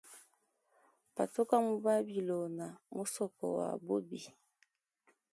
Patuka mu babilona musoko wa bubi.